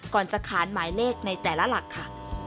ก่อนจะขานหมายเลขในแต่ละหลักค่ะ